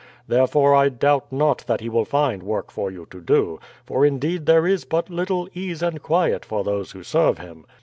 Therefore I doubt not that he will find work for you to do, for indeed there is but little ease and quiet for those who serve him.